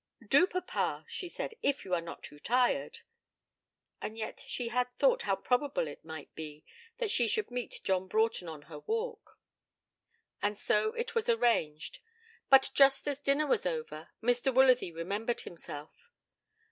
'Do, papa,' she said, 'if you are not too tired.' And yet she had thought how probable it might be that she should meet John Broughton on her walk. And so it was arranged; but, just as dinner was over, Mr. Woolsworthy remembered himself.